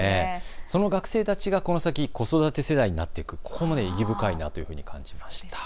その学生たちがこの先、子育て世代になっていく、意義深いなと感じました。